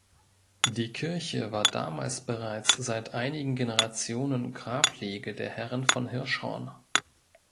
Die Kirche war damals bereits seit einigen Generationen Grablege der Herren von Hirschhorn.